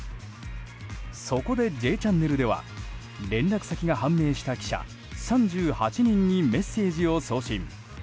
そこで、「Ｊチャンネル」では連絡先が判明した記者３８人にメッセージを送信。